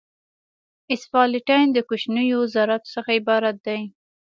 اسفالټین د کوچنیو ذراتو څخه عبارت دی